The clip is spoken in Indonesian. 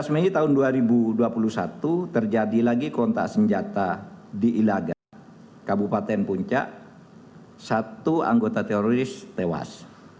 dua belas mei tahun dua ribu dua puluh satu terjadi lagi kontak senjata di ilaga kabupaten puncak satu anggota teroris tewas